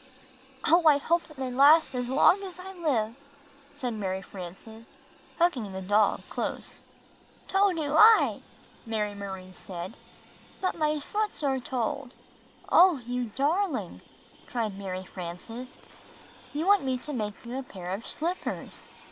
"Oh, I hope that they last as long as I livel" said Mary Frances, hugging the doll close. "Toe do I!" Mary Marie said. "But my foots are told." "Oh, you darhng!" cried Mary Frances. "You want me to make you a pair of slippers!"